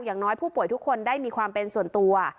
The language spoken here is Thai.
อย่างน้อยผู้ป่วยทุกคนได้มีความเป็นส่วนตัว